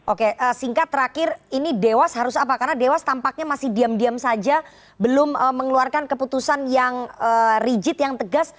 oke singkat terakhir ini dewas harus apa karena dewas tampaknya masih diam diam saja belum mengeluarkan keputusan yang rigid yang tegas